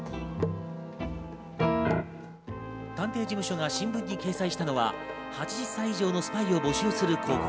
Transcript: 探偵事務所が新聞に掲載したのは８０歳以上のスパイを募集する広告。